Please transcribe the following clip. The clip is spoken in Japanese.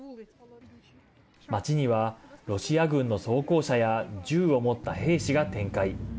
街にはロシア軍の装甲車や銃を持った兵士が展開。